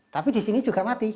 tapi di sini juga mati